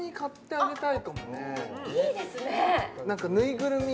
あっいいですね